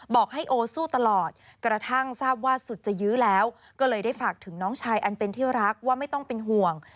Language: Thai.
บอกให้โอสู้ตลอดกระทั่งทราบว่าสุดจะยื้อแล้วก็เลยได้ฝากถึงน้องชายอันเป็นที่รักว่าไม่ต้องเป็นห่วง